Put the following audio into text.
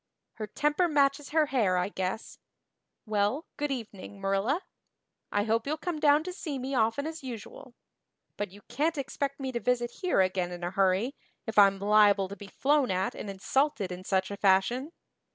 Her temper matches her hair I guess. Well, good evening, Marilla. I hope you'll come down to see me often as usual. But you can't expect me to visit here again in a hurry, if I'm liable to be flown at and insulted in such a fashion.